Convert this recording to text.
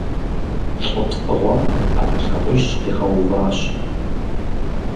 ЛӀы псыгъуэм Ӏэнэ лъакъуищ къигъэуващ.